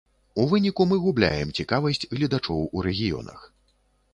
У выніку мы губляем цікавасць гледачоў у рэгіёнах.